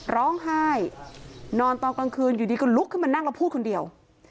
คุณปุ้ยอายุ๓๒นางความร้องไห้พูดคนเดี๋ยว